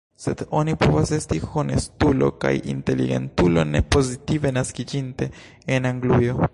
Sed oni povas esti honestulo kaj inteligentulo, ne pozitive naskiĝinte en Anglujo.